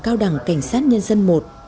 cao đẳng cảnh sát nhân dân một